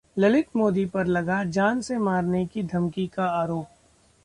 ललित मोदी पर लगा जान से मारने की धमकी का आरोप